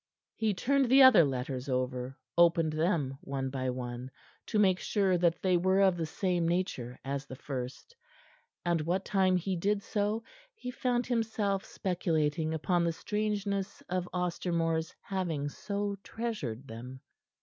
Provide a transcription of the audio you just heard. He turned the other letters over; opened them one by one, to make sure that they were of the same nature as the first, and what time he did so he found himself speculating upon the strangeness of Ostermore's having so treasured them.